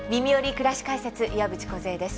くらし解説」岩渕梢です。